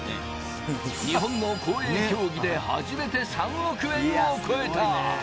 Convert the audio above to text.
日本の公営競技で初めて３億円を超えた。